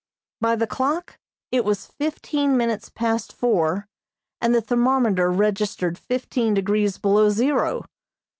By the clock it was fifteen minutes past four and the thermometer registered fifteen degrees below zero.